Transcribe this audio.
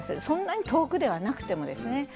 そんなに遠くではなくてもですね。